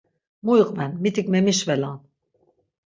Mu iqven mitik memişvelan!